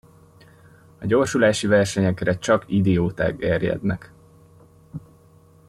A gyorsulási versenyekre csak idióták gerjednek.